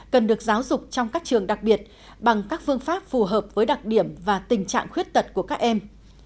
cần được giáo dục trong các trường đặc biệt bằng các phương pháp phù hợp với đặc điểm và tình trạng khuyết tật của các em